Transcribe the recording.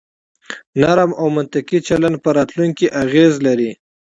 نرم او منطقي چلن په راتلونکي اغیز لري.